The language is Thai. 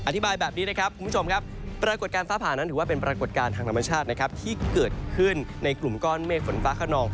อธิบายแบบนี้นะครับคุณผู้ชมครับปรากฏการณ์ฟ้าผ่านั้นถือว่าเป็นปรากฏการณ์ทางธรรมชาตินะครับที่เกิดขึ้นในกลุ่มก้อนเมฆฝนฟ้าขนอง